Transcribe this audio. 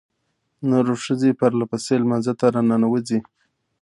نرو ښځې پرلپسې لمانځه ته راننوځي.